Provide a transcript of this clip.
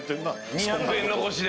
２００円残しで。